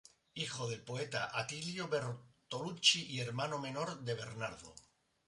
Hijo del poeta Attilio Bertolucci y hermano menor de Bernardo.